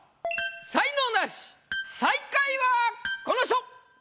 才能ナシ最下位はこの人！